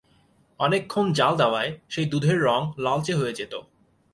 অনেকক্ষণ জ্বাল দেওয়ায় সেই দুধের রঙ লালচে হয়ে যেত।